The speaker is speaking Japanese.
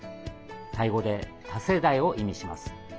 タイ語で多世代を意味します。